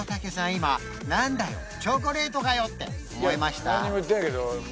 今何だよチョコレートかよって思いました？